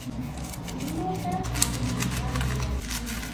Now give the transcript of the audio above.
மின்னோட்டமானி என்றால் என்ன?